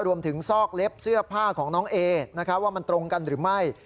ซอกเล็บเสื้อผ้าของน้องเอว่ามันตรงกันหรือไม่